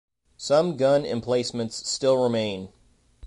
Some gun emplacements still remain.